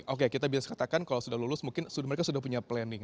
oke kita bisa katakan kalau sudah lulus mungkin mereka sudah punya planning